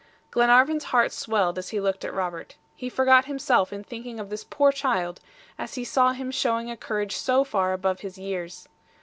Glenarvan's heart swelled as he looked at Robert. He forgot himself in thinking of this poor child, as he saw him showing a courage so far above his years.